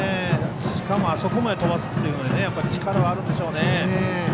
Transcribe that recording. しかも、あそこまで飛ばすっていうので力はあるんでしょうね。